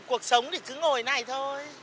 cuộc sống thì cứ ngồi này thôi